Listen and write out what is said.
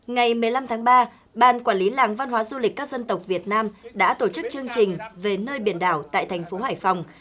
ngày một mươi năm tháng ba ban quản lý làng văn hóa du lịch các dân tộc việt nam đã tổ chức chương trình về nơi biển đảo tại thành phố hải phòng